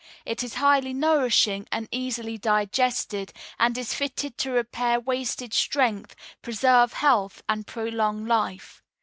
It is highly nourishing and easily digested, and is fitted to repair wasted strength, preserve health, and prolong life.